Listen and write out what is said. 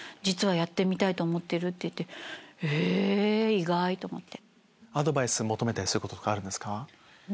意外！と思って。